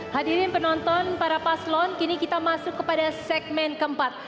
hadirin penonton para paslon kini kita masuk kepada segmen keempat